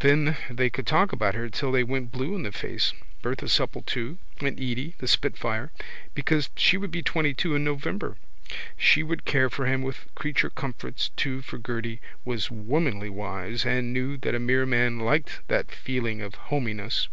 Then they could talk about her till they went blue in the face, Bertha Supple too, and Edy, little spitfire, because she would be twentytwo in November. She would care for him with creature comforts too for Gerty was womanly wise and knew that a mere man liked that feeling of hominess.